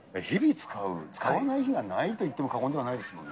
使わない日はないといっても過言ではないですもんね。